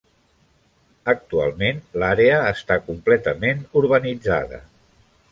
Actualment l'àrea està completament urbanitzada.